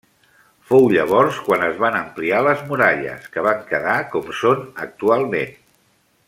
Fou llavors quan es van ampliar les muralles, que van quedar com són actualment.